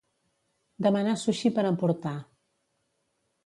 Demanar sushi per emportar.